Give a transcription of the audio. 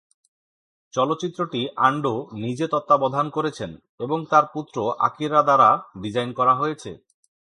চলচ্চিত্রটি আন্ডো নিজে তত্ত্বাবধান করেছেন এবং তার পুত্র আকিরা দ্বারা ডিজাইন করা হয়েছে।